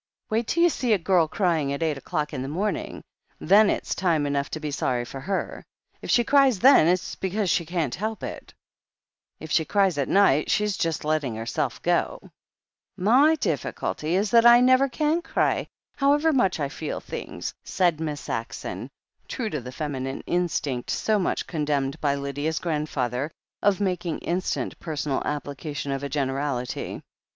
Wait till you see a girl crying at eight o'clock in the morning — ^then it's time enough to be sorry for her. If she cries then, it's because she can't help it. If she cries at night she's just letting herself go." ''My difficulty is that I never can cry, however much I feel things," said Miss Saxon, true to the feminine instinct, so piuch condemned by Lydia's grandfather, of making instant personal application of a generality.